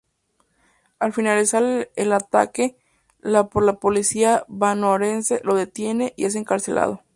Al finalizar el ataque la por la policía bonaerense lo detiene y es encarcelado.